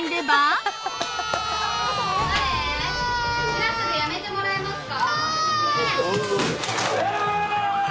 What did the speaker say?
・今すぐやめてもらえますか？